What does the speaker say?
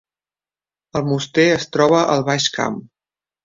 Almoster es troba al Baix Camp